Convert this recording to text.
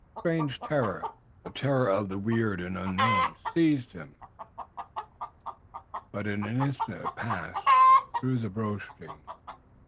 A strange terror, the terror of the weird and unknown, seized him, but in an instant it passed, and he drew the bowstring.